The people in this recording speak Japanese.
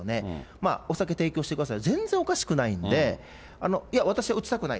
まあ、お酒提供してください、全然おかしくないんで、いや、私は打ちたくない。